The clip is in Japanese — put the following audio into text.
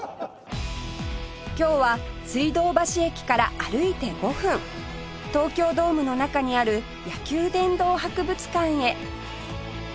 今日は水道橋駅から歩いて５分東京ドームの中にある野球殿堂博物館へ